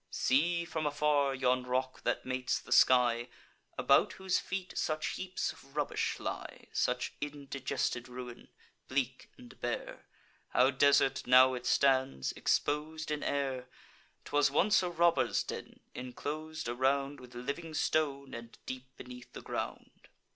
See, from afar, yon rock that mates the sky, About whose feet such heaps of rubbish lie; Such indigested ruin; bleak and bare, How desert now it stands, expos'd in air! 'Twas once a robber's den, inclos'd around With living stone, and deep beneath the ground.